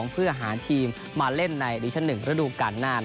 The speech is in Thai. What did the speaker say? เพื่อหาทีมมาเล่นในดิวิชั่น๑ฤดูการหน้า